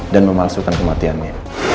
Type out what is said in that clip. dan memalsukan kematiannya